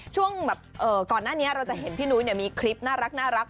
ช่วงแบบก่อนหน้านี้เราจะเห็นพี่นุ้ยมีคลิปน่ารัก